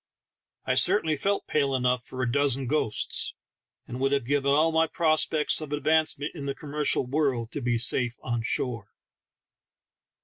I certainly felt pale enough for a dozen ghosts, and would have given all my prospects of advancement in the commercial world to be safe on shore.